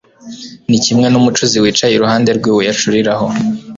ni kimwe n'umucuzi wicaye iruhande rw'ibuye acuriraho